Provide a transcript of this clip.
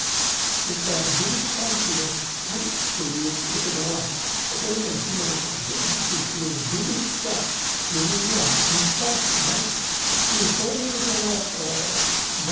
ですから「自力」「他力」の「他力」という言葉は法然親鸞の場合非常にはっきりしているように「自力」が自分には似つかわしくないというそういうそのま